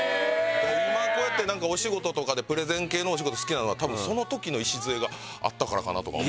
今こうやってお仕事とかでプレゼン系のお仕事好きなのは多分その時の礎があったからかなとか思うので。